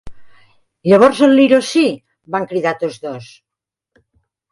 "Llavors el liró sí!", van cridar tots dos.